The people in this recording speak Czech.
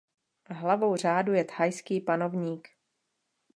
Hlavou řádu je thajský panovník.